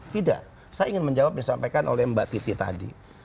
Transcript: tidak saya ingin menjawab yang disampaikan oleh mbak titi tadi